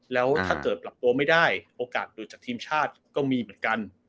แล้วถ้าเกิดปรับตัวไม่ได้โอกาสหลุดจากทีมชาติก็มีเหมือนกัน